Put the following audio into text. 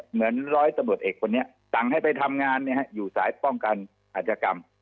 เหมือนร้อยสมุทรเอกคนนี้ต่างให้ไปทำงานเนี่ยฮะอยู่สายป้องกันอาจกรรม